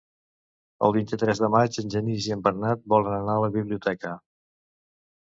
El vint-i-tres de maig en Genís i en Bernat volen anar a la biblioteca.